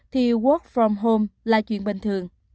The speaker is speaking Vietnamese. thì work from home là chuyện bình thường